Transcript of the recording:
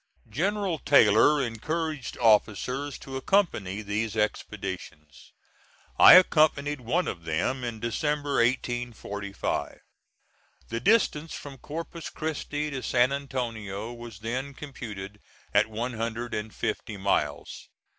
General Taylor encouraged officers to accompany these expeditions. I accompanied one of them in December, 1845. The distance from Corpus Christi to San Antonio was then computed at one hundred and fifty miles.